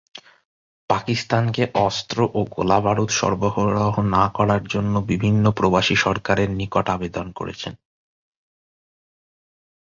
পাকিস্তানকে অস্ত্র ও গোলাবারুদ সরবরাহ না করার জন্য বিভিন্ন প্রবাসী সরকারের নিকট আবেদন করেছেন।